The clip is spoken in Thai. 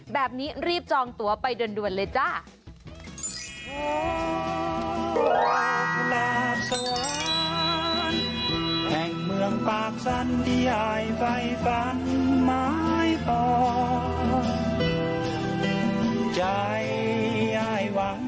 แบบนี้รีบจองตัวไปด่วนเลยจ้า